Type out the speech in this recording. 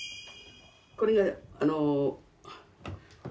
これがあの。